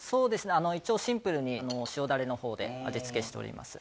あの一応シンプルに塩ダレの方で味付けしております。